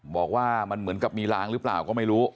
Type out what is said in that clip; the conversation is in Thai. บอกว่ามันเหมือนกับมีลางหรือเปล่าก็ไม่รู้